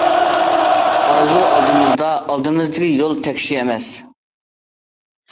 ئارزۇ ئالدىمىزدا، ئالدىمىزدىكى يول تەكشى ئەمەس.